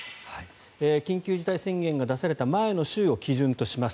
緊急事態宣言が出された前の週を基準とします。